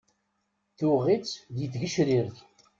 Tuɣ-itt di tgecrirt.